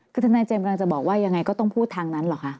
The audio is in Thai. คือทนายเจมส์กำลังจะบอกว่ายังไงก็ต้องพูดทางนั้นเหรอคะ